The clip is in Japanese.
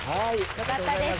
よかったです。